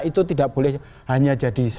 itu tidak boleh hanya jadi